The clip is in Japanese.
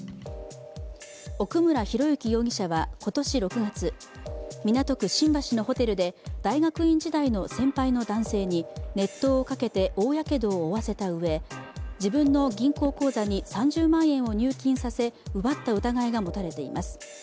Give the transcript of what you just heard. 奥村啓志容疑者は今年６月港区新橋のホテルで大学院時代の先輩の男性に熱湯をかけて大やけどを負わせたうえ、自分の銀行口座に３０万円を入金させ奪った疑いが持たれています。